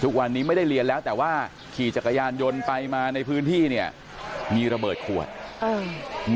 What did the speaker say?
ไม่ได้เรียนแล้วแต่ว่าขี่จักรยานยนต์ไปมาในพื้นที่เนี่ยมีระเบิดขวดเออ